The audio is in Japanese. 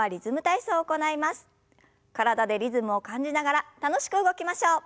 体でリズムを感じながら楽しく動きましょう。